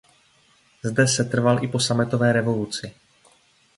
Zde setrval i po sametové revoluci.